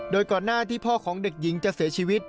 โดยก่อนหน้าที่พ่อของเด็กหญิงจะเสียชีวิต